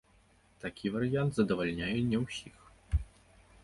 Такі варыянт задавальняе не ўсіх.